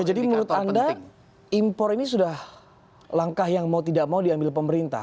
menurut anda impor ini sudah langkah yang mau tidak mau diambil pemerintah